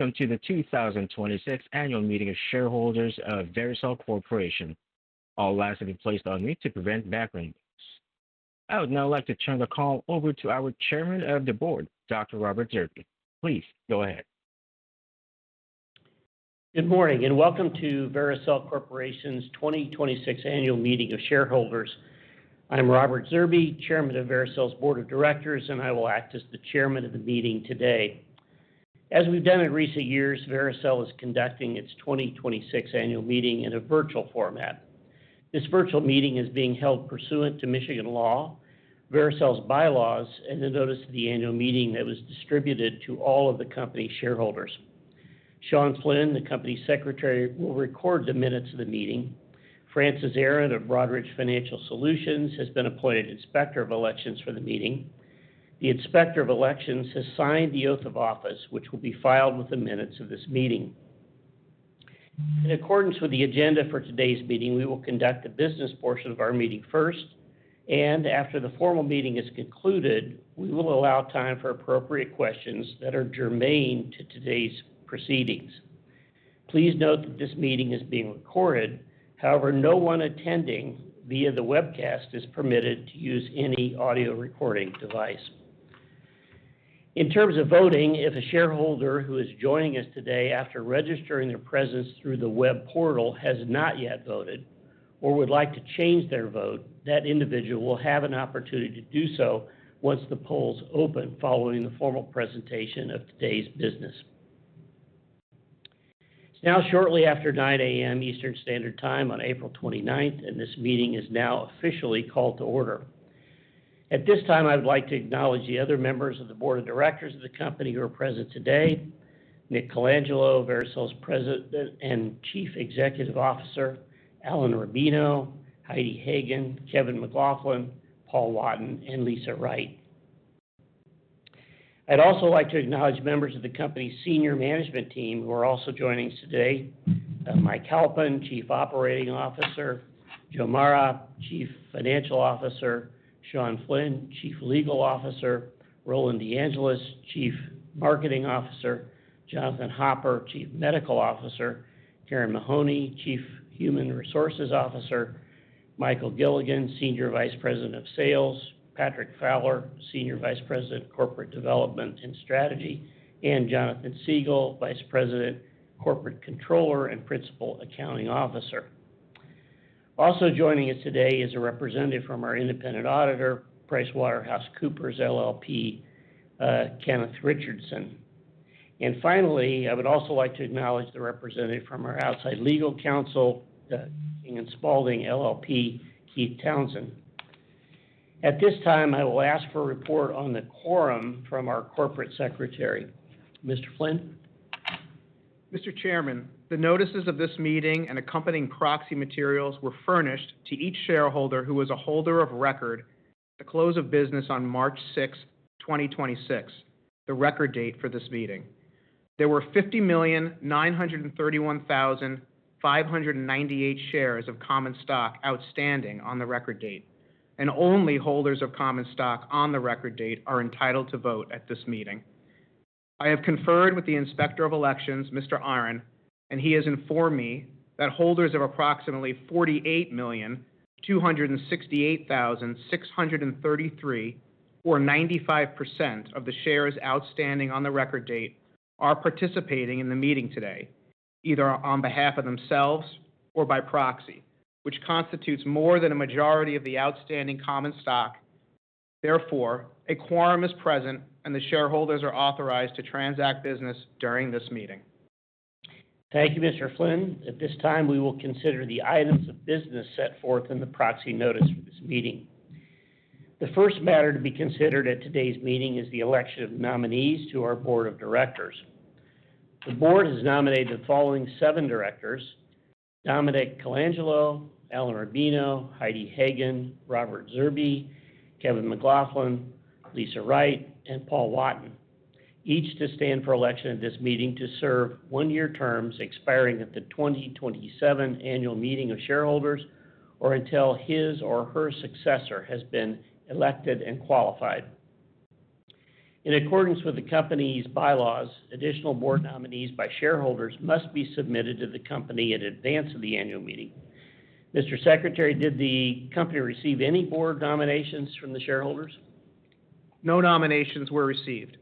Welcome to the 2026 annual meeting of shareholders of Vericel Corporation. All lines have been placed on mute to prevent background noise. I would now like to turn the call over to our Chairman of the Board, Dr. Robert Zerbe. Please go ahead. Good morning, and welcome to Vericel Corporation's 2026 annual meeting of shareholders. I'm Robert Zerbe, Chairman of Vericel's Board of Directors, and I will act as the chairman of the meeting today. As we've done in recent years, Vericel is conducting its 2026 annual meeting in a virtual format. This virtual meeting is being held pursuant to Michigan law, Vericel's bylaws, and the notice of the annual meeting that was distributed to all of the company shareholders. Sean Flynn, the company secretary, will record the minutes of the meeting. Francis Aaron of Broadridge Financial Solutions has been appointed Inspector of Elections for the meeting. The Inspector of Elections has signed the oath of office, which will be filed with the minutes of this meeting. In accordance with the agenda for today's meeting, we will conduct the business portion of our meeting first, and after the formal meeting is concluded, we will allow time for appropriate questions that are germane to today's proceedings. Please note that this meeting is being recorded. However, no one attending via the webcast is permitted to use any audio recording device. In terms of voting, if a shareholder who is joining us today after registering their presence through the web portal has not yet voted or would like to change their vote, that individual will have an opportunity to do so once the polls open following the formal presentation of today's business. It's now shortly after 9:00 A.M. Eastern Standard Time on April 29th. This meeting is now officially called to order. At this time, I would like to acknowledge the other members of the Board of Directors of the company who are present today, Nick Colangelo, Vericel's President and Chief Executive Officer, Alan Rubino, Heidi Hagen, Kevin McLaughlin, Paul Wotton, and Lisa Wright. I'd also like to acknowledge members of the company's Senior Management Team who are also joining us today. Mike Halpin, Chief Operating Officer, Joe Mara, Chief Financial Officer, Sean Flynn, Chief Legal Officer, Roland DeAngelis, Chief Marketing Officer, Jonathan Hopper, Chief Medical Officer, Karen Mahoney, Chief Human Resources Officer, Michael Gilligan, Senior Vice President of Sales, Patrick Fowler, Senior Vice President of Corporate Development and Strategy, and Jonathan Siegal, Vice President Corporate Controller and Principal Accounting Officer. Also joining us today is a representative from our independent auditor, PricewaterhouseCoopers LLP, Kenneth Richardson. Finally, I would also like to acknowledge the representative from our outside legal counsel, King & Spalding LLP, Keith Townsend. At this time, I will ask for a report on the quorum from our corporate secretary. Mr. Flynn? Mr. Chairman, the notices of this meeting and accompanying proxy materials were furnished to each shareholder who was a holder of record at the close of business on March 6, 2026, the record date for this meeting. There were 50,931,598 shares of common stock outstanding on the record date, and only holders of common stock on the record date are entitled to vote at this meeting. I have conferred with the Inspector of Elections, Mr. Aaron, and he has informed me that holders of approximately 48,268,633, or 95% of the shares outstanding on the record date are participating in the meeting today, either on behalf of themselves or by proxy, which constitutes more than a majority of the outstanding common stock. Therefore, a quorum is present, and the shareholders are authorized to transact business during this meeting. Thank you, Mr. Flynn. At this time, we will consider the items of business set forth in the proxy notice for this meeting. The first matter to be considered at today's meeting is the election of nominees to our board of directors. The board has nominated the following seven directors: Dominick Colangelo, Alan Rubino, Heidi Hagen, Robert Zerbe, Kevin McLaughlin, Lisa Wright, and Paul Wotton. Each to stand for election at this meeting to serve one-year terms expiring at the 2027 annual meeting of shareholders or until his or her successor has been elected and qualified. In accordance with the company's bylaws, additional board nominees by shareholders must be submitted to the company in advance of the annual meeting. Mr. Secretary, did the company receive any board nominations from the shareholders? No nominations were received.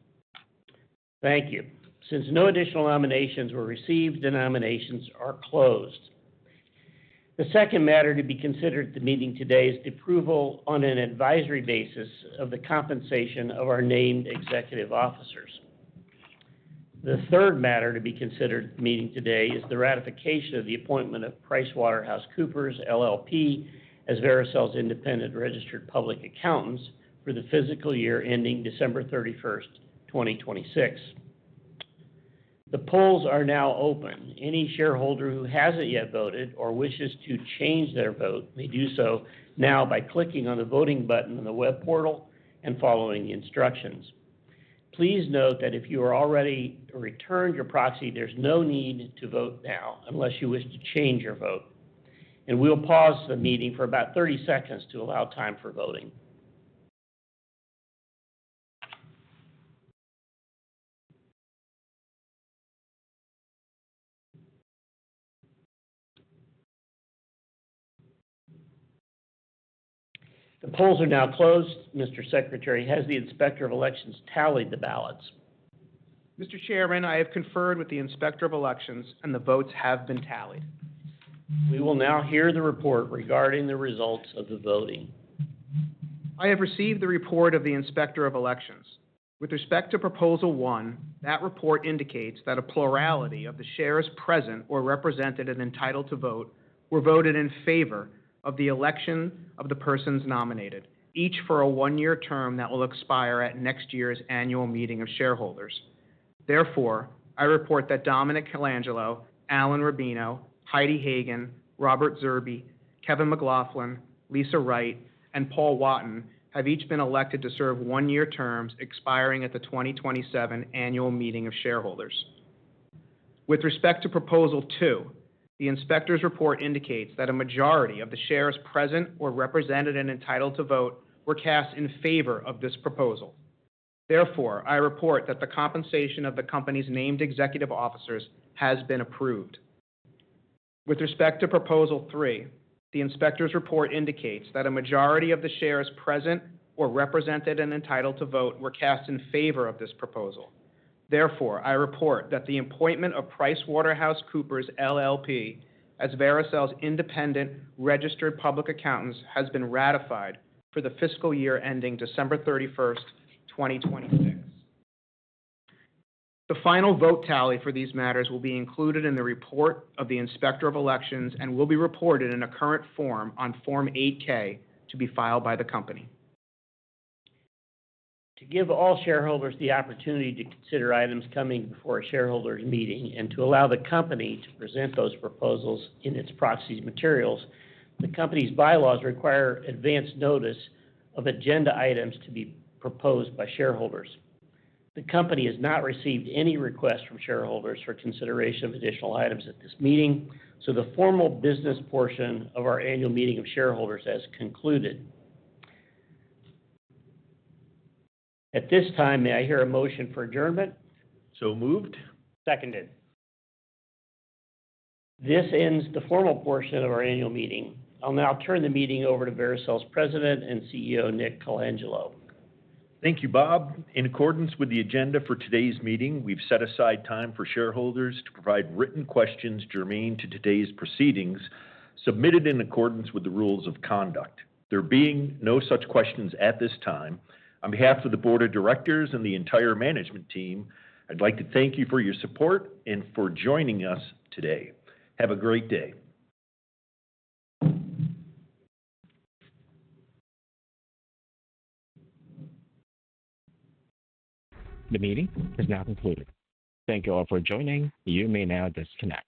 Thank you. Since no additional nominations were received, the nominations are closed. The second matter to be considered at the meeting today is the approval on an advisory basis of the compensation of our named executive officers. The third matter to be considered at the meeting today is the ratification of the appointment of PricewaterhouseCoopers LLP as Vericel's independent registered public accountants for the fiscal year ending December 31st, 2026. The polls are now open. Any shareholder who hasn't yet voted or wishes to change their vote may do so now by clicking on the voting button on the web portal and following the instructions. Please note that if you have already returned your proxy, there's no need to vote now unless you wish to change your vote. We'll pause the meeting for about 30 seconds to allow time for voting. The polls are now closed. Mr. Secretary, has the Inspector of Elections tallied the ballots? Mr. Chairman, I have conferred with the Inspector of Elections. The votes have been tallied. We will now hear the report regarding the results of the voting. I have received the report of the Inspector of Elections. With respect to proposal one, that report indicates that a plurality of the shares present were represented and entitled to vote were voted in favor of the election of the persons nominated, each for a one-year term that will expire at next year's annual meeting of shareholders. Therefore, I report that Dominick Colangelo, Alan Rubino, Heidi Hagen, Robert Zerbe, Kevin McLaughlin, Lisa Wright, and Paul Wotton have each been elected to serve one-year terms expiring at the 2027 annual meeting of shareholders. With respect to proposal two, the inspector's report indicates that a majority of the shares present were represented and entitled to vote were cast in favor of this proposal. Therefore, I report that the compensation of the company's named executive officers has been approved. With respect to proposal three, the inspector's report indicates that a majority of the shares present were represented and entitled to vote were cast in favor of this proposal. Therefore, I report that the appointment of PricewaterhouseCoopers LLP as Vericel's independent registered public accountants has been ratified for the fiscal year ending December 31, 2026. The final vote tally for these matters will be included in the report of the Inspector of Elections and will be reported in a current form on Form 8-K to be filed by the company. To give all shareholders the opportunity to consider items coming before a shareholders meeting and to allow the company to present those proposals in its proxy's materials, the company's bylaws require advanced notice of agenda items to be proposed by shareholders. The company has not received any request from shareholders for consideration of additional items at this meeting. The formal business portion of our annual meeting of shareholders has concluded. At this time, may I hear a motion for adjournment? Moved. Seconded. This ends the formal portion of our annual meeting. I'll now turn the meeting over to Vericel's President and CEO, Nick Colangelo. Thank you, Bob. In accordance with the agenda for today's meeting, we've set aside time for shareholders to provide written questions germane to today's proceedings, submitted in accordance with the rules of conduct. There being no such questions at this time, on behalf of the Board of Directors and the entire Management Team, I'd like to thank you for your support and for joining us today. Have a great day. The meeting is now concluded. Thank you all for joining. You may now disconnect.